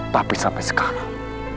tapi sampai sekarang